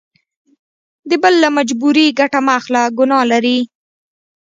د بل له مجبوري ګټه مه اخله ګنا لري.